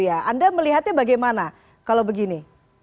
anda melihatnya bagaimana kalau begini